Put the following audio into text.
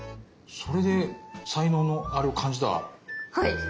それで才能のアレを感じた？